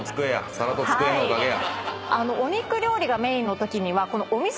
皿と机のおかげや。